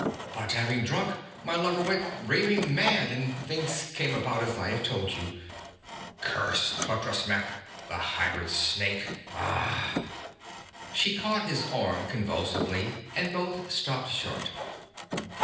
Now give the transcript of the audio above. But having drunk, my lover went raving mad and things came about as I have told you. Curse Totrasmek, the hybrid snake ahhh!' She caught his arm convulsively and both stopped short.